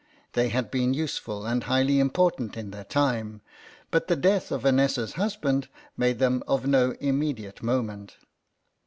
They had been useful and highly important in their time, but the death of Vanessa's husband made them of no immediate moment.